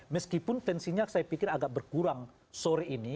meskipun tensinya saya pikir agak berkurang sore ini